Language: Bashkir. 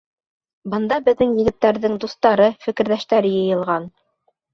Бында беҙҙең егеттәрҙең дуҫтары, фекерҙәштәре йыйылған.